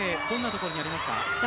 どんなところにありますか？